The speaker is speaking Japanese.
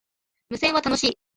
無線は、楽しい